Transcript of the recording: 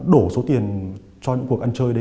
đổ số tiền cho những cuộc ăn chơi